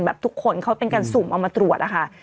ทุกคนเขาเป็นการสุ่มเอามาตรวจอะค่ะ